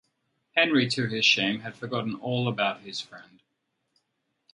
Henry to his shame had forgotten all about his friend.